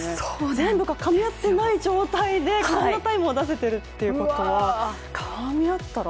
全部がかみ合っていない状態でこんなタイムを出せているということはかみ合ったら？